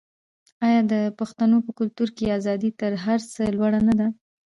آیا د پښتنو په کلتور کې ازادي تر هر څه لوړه نه ده؟